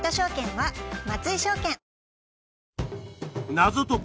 『謎解き！